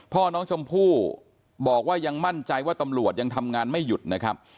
พ่อน้องชมพู่บอกว่ายังมั่นใจว่าตำรวจยังทำงานไม่หยุดนะครับ